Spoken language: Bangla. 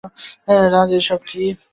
রাজ, এসব কি?